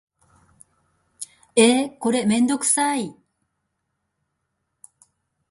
えーこれめんどくさい